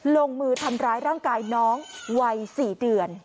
ลงมือทำร้ายร่างกายน้องวัย๔เดือน